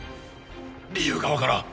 理由がわからん。